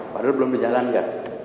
padahal belum di jalan enggak